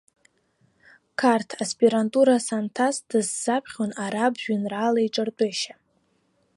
Қарҭ аспирантура санҭаз дысзаԥхьон араб жәеинраалеиҿартәышьа.